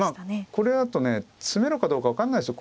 これだとね詰めろかどうか分かんないですよ。